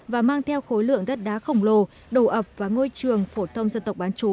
và mang theo khối lượng đất đá khổng lồ đồ ập và ngôi trường phổ thông dân tộc bán trú